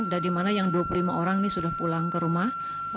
dan yang dua puluh lima orang sudah pulang ke rumah